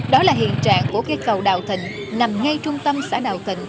đó là hiện trạng của cây cầu đảo thịnh nằm ngay trung tâm xã đảo thịnh